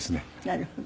なるほど。